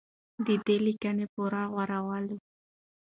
د ده لیکنې په پوره غور ولولو.